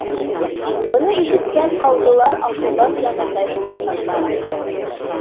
Быны ишеткән ҡауҙылар аҡылдан яҙырҙай булып шатлана.